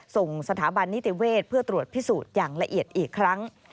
ส่งสถาบันนิติเวศเพื่อตรวจพิสูจน์อย่างละเอียดอีกครั้ง